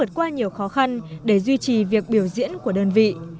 họ đã vượt qua nhiều khó khăn để duy trì việc biểu diễn của đơn vị